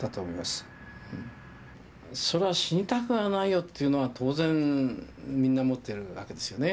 そら死にたくはないよっていうのは当然みんな持ってるわけですよね。